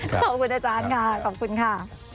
ขอบคุณอาจารย์ค่ะ